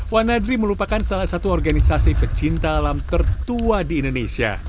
wanadri merupakan salah satu organisasi pecinta alam tertua di indonesia